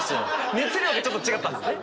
熱量がちょっと違ったんですね。